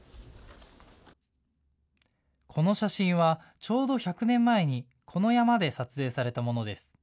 この写真はちょうど１００年前にこの山で撮影されたものです。